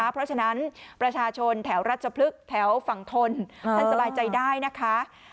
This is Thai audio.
เพราะฉะนั้นประชาชนแถวรัชพฤกษ์แถวฝั่งทนท่านสบายใจได้นะคะ